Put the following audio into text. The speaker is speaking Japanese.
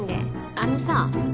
あのさ